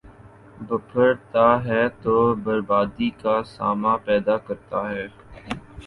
، بپھر تا ہے تو بربادی کا ساماں پیدا کرتا ہے ۔